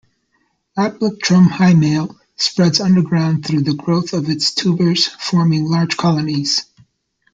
"Aplectrum hyemale" spreads underground through the growth of its tubers, forming large colonies.